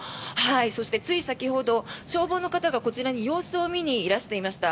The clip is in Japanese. そして、つい先ほど消防の方がこちらに様子を見にいらしてました。